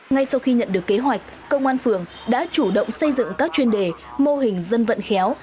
ngay sau khi nhận được kế hoạch công an phường đã chủ động xây dựng các chuyên đề mô hình dân vận khéo